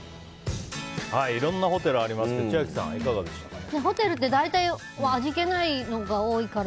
いろんなホテルがありますけど千秋さん、いかがでしたか。